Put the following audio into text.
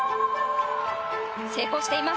成功しています。